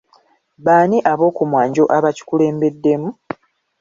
Baani ab'okumwanjo abakikulembeddemu?